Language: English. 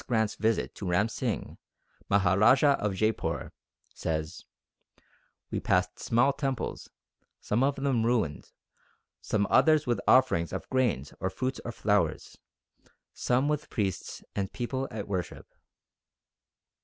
Grant's visit to Ram Singh, Maharajah of Jeypoor, says, "We passed small temples, some of them ruined, some others with offerings of grains or fruits or flowers, some with priests and people at worship.